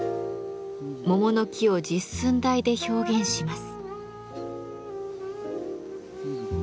桃の木を「実寸大」で表現します。